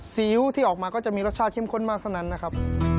ซีอิ๊วที่ออกมาก็จะมีรสชาติเข้มข้นมากเท่านั้นนะครับ